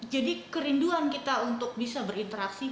jadi kerinduan kita untuk bisa berinteraksi